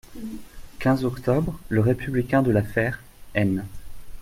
quinze octobre., Le Républicain de La Fère (Aisne).